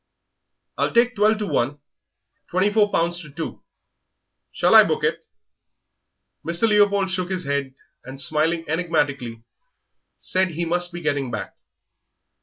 "I'll take twelve to one twenty four pounds to two. Shall I book it?" Mr. Leopold shook his head, and, smiling enigmatically, said he must be getting back.